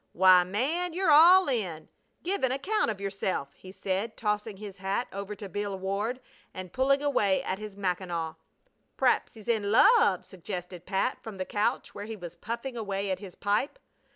"Why, man, you're all in! Give an account of yourself!" he said, tossing his hat over to Bill Ward, and pulling away at his mackinaw. "P'raps he's in love!" suggested Pat from the couch where he was puffing away at his pipe.